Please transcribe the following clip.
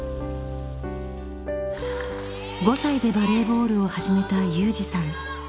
［５歳でバレーボールを始めた有志さん］